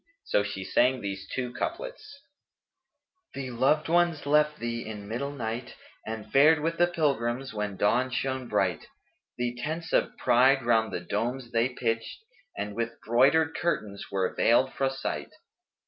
So she sang these two couplets, "The loved ones left thee in middle night, * And fared with the pilgrims when dawn shone bright: The tents of pride round the domes they pitched, * And with broidered curtains were veiled fro' sight."